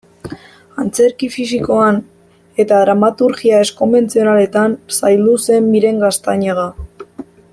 Antzerki fisikoan eta dramaturgia ez-konbentzionaletan zaildu zen Miren Gaztañaga.